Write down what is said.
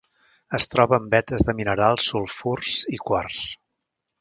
Es troba en vetes de minerals sulfurs i quars.